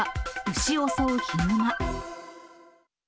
牛襲うヒグマ。